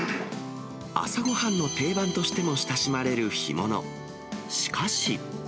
朝ごはんの定番としても親しまれる干物。